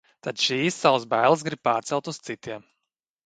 Tad šīs savas bailes grib pārcelt uz citiem.